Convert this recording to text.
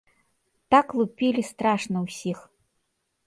Так лупілі страшна ўсіх!